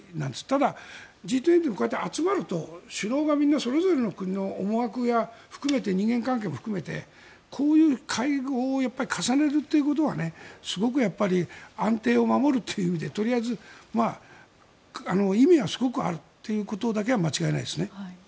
ただ、Ｇ２０がこうやって集めると首脳がみんなそれぞれの国の思惑含めて人間関係も含めてこういう会合を重ねることはすごく安定を守るという意味でとりあえず意味はすごくあるということだけは間違いないですね。